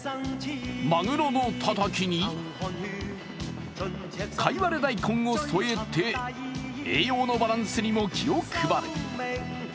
まぐろのたたきにかいわれ大根を添えて、栄養のバランスにも気を配る。